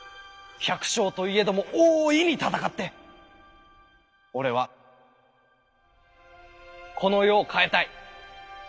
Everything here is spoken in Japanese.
百姓といえども大いに戦って俺はこの世を変えたい。